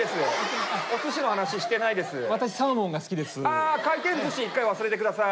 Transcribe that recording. ああ回転ずし一回忘れてください。